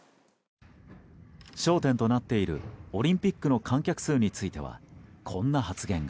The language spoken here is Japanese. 焦点となっているオリンピックの観客数についてはこんな発言が。